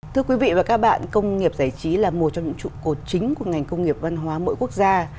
thưa quý vị và các bạn công nghiệp giải trí là một trong những trụ cột chính của ngành công nghiệp văn hóa mỗi quốc gia